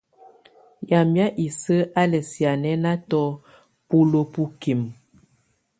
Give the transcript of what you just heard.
Yamɛ̀á isǝ́ á lɛ̀ sianɛnatɔ̀ buluǝ́ bukimǝ.